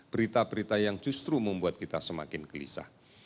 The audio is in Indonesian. berita berita yang justru membuat kita semakin gelisah